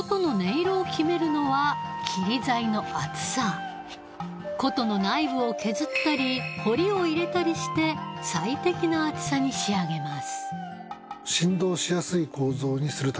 琴の琴の内部を削ったり彫りを入れたりして最適な厚さに仕上げます